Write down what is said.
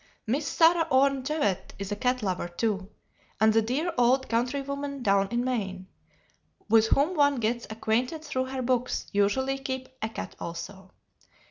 Miss Sarah Orne Jewett is a cat lover, too, and the dear old countrywomen "down in Maine," with whom one gets acquainted through her books, usually keep a cat also.